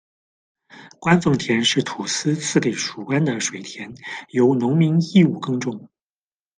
官奉田是土司赐给属官的水田，由农民义务耕种。